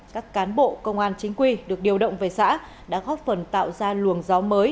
các cán bộ công an chính quy được điều động về xã đã góp phần tạo ra luồng gió mới